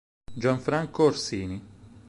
Gianfranco Orsini